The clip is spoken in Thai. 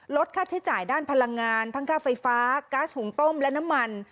ลดค่าใช้จ่ายด้านพลังงานทั้งค่าไฟฟ้าก๊าซหุงต้มและน้ำมัน